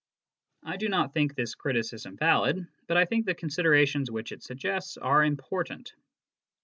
I do not think this criticism valid, but I think the considerations which it suggests are important.